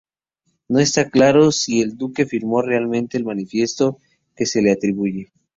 No está claro si el duque firmó realmente el manifiesto que se le atribuye.